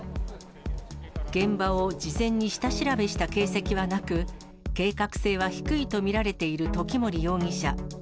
現場を事前に下調べした形跡はなく、計画性は低いと見られている時森容疑者。